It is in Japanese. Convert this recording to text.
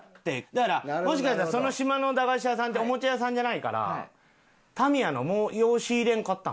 だからもしかしたらその島の駄菓子屋さんっておもちゃ屋さんじゃないからタミヤのよう仕入れんかったんかな？